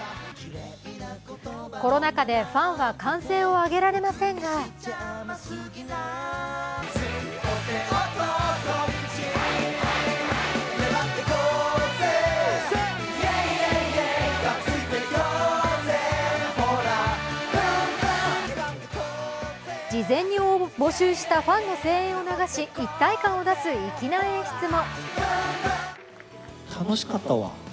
コロナ禍でファンは歓声を上げられませんが事前に募集したファンの声援を流し一体感を出す粋な演出も。